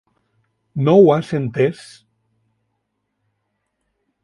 No ho has entès?